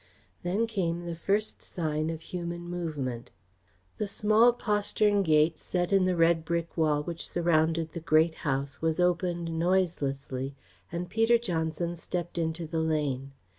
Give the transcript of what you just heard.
Then came the first sign of human movement. The small postern gate set in the red brick wall which surrounded the Great House was opened noiselessly and Peter Johnson stepped into the lane.